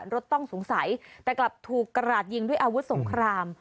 รถต้องสงสัยแต่กลับถูกกระดาษยิงด้วยอาวุธสงคราม